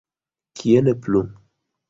Kien plu?